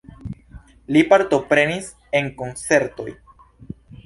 Li partoprenis en koncertoj.